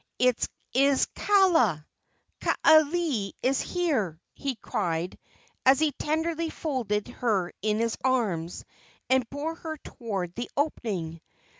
"It is Kaala! Kaaialii is here!" he cried, as he tenderly folded her in his arms and bore her toward the opening.